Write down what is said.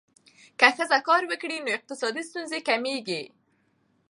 که ښځه کار وکړي، نو اقتصادي ستونزې کمېږي.